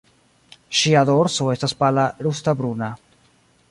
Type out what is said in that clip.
Ŝia dorso estas pala rusta-bruna.